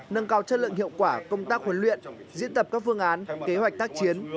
nâng cao chất lượng hiệu quả công tác huấn luyện diễn tập các phương án kế hoạch tác chiến